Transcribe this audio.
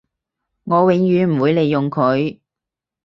我永遠唔會利用佢